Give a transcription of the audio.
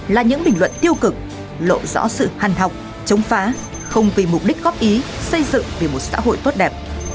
là những bình luận tiêu cực lộ rõ sự hành học chống phá không vì mục đích góp ý xây dựng về một xã hội tốt đẹp